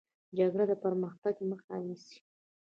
جګړه د پرمختګ مخه نیسي